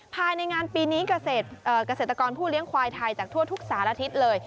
ภายในงานปีนี้เกษตรกรผู้เลี้ยงควายไทยจากทั่วทุกสารทิศเลย